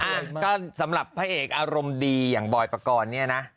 อ่ะก็สำหรับพระเอกอารมณ์ดีอย่างบอยปกรณ์เนี่ยนะ